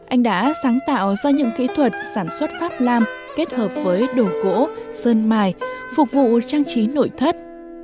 anh đã sáng tạo ra những kỹ thuật sản xuất pháp lam kết hợp với đồ gỗ sơn mài phục vụ trang trí nội thất